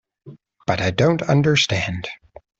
But I don't understand.